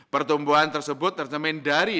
pertumbuhan tersebut tercemin dari